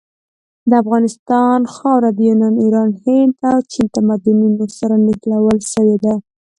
د افغانستان خاوره د یونان، ایران، هند او چین تمدنونو سره نښلول سوي ده.